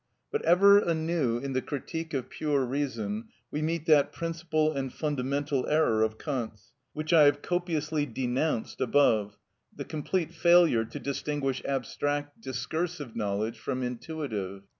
But ever anew in the "Critique of Pure Reason" we meet that principal and fundamental error of Kant's, which I have copiously denounced above, the complete failure to distinguish abstract, discursive knowledge from intuitive.